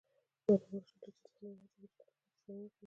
د علامه رشاد لیکنی هنر مهم دی ځکه چې تلپاتې څېړنې کوي.